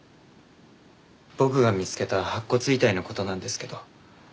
僕が見つけた白骨遺体の事なんですけど。